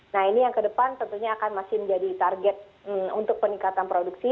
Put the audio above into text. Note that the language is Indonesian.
nah ini yang kedepan tentunya akan masih menjadi target untuk peningkatan produksi